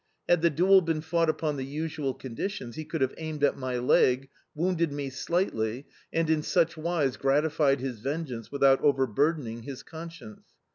Had the duel been fought upon the usual conditions, he could have aimed at my leg, wounded me slightly, and in such wise gratified his vengeance without overburdening his conscience.